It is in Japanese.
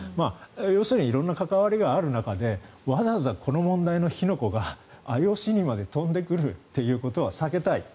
要するに色々な関わりがある中でわざわざこの問題の火の粉がＩＯＣにまで飛んでくるということは避けたい。